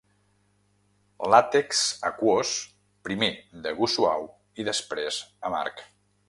Làtex aquós, primer de gust suau i després amarg.